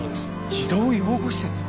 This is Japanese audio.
児童養護施設？